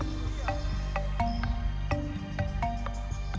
kapsul ini memiliki kekuatan yang sangat luar biasa